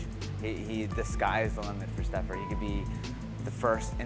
dan dia mengembangkan kemampuan untuk berkembang di mma